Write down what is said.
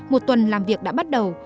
một tuần làm việc đã bắt đầu